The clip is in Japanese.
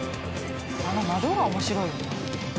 あの窓が面白いよな。